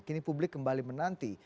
kini publik kembali menanti